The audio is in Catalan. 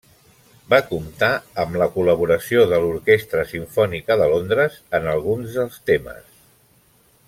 Va comptar amb la col·laboració de l'Orquestra Simfònica de Londres en alguns dels temes.